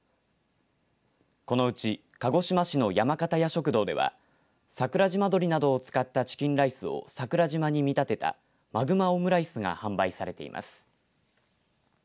このうち鹿児島市の山形屋食堂では桜島鶏などを使ったチキンライスを桜島に見立てたマグマオムライスが販売されています。